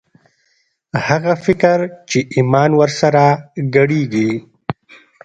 هغه فکر چې ایمان ور سره ګډېږي